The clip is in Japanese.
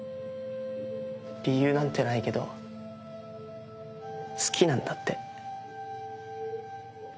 理由なんてないけど好きなんだって。